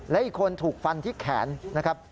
และอีกคนถูกฟันที่แขนนะครับ